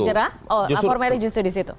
oh apor merahnya justru disitu